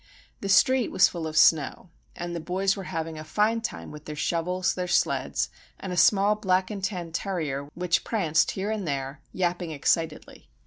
The street was full of snow; and the boys were having a fine time with their shovels, their sleds, and a small black and tan terrier which pranced here and there, yapping excitedly.